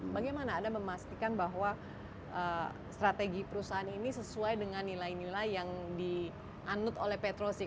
bagaimana anda memastikan bahwa strategi perusahaan ini sesuai dengan nilai nilai yang dianut oleh petrosi